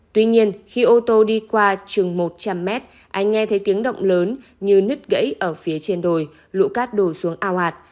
tuy nhiên khi ô tô đi qua chừng một trăm linh mét anh nghe thấy tiếng động lớn như nứt gãy ở phía trên đồi lũ cát đổ xuống ao ạt